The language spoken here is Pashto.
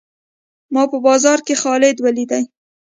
ما په بازار کښي خالد وليدئ.